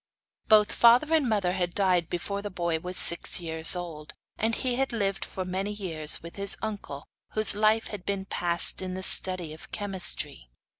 Both father and mother had died before the boy was six years old; and he had lived for many years with his uncle, whose life had been passed in the study of chemistry.